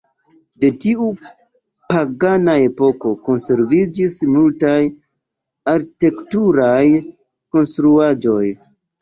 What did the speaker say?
De tiu pagana epoko konserviĝis multaj arkitekturaj konstruaĵoj.